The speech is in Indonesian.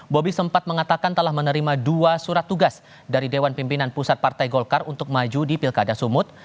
bobi sempat mengatakan telah menerima dua surat tugas dari dewan pimpinan pusat partai golkar untuk maju di pilkada sumut